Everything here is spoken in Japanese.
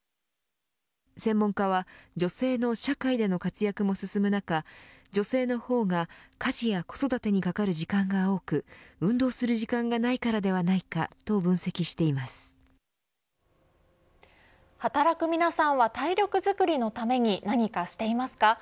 専門家は女性の社会での活躍も進む中女性の方が家事や子育てに掛かる時間が多く運動する時間がないからではないか働く皆さんは体力づくりのために何かしていますか。